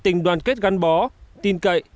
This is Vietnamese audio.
tình đoàn kết gắn bó tin cậy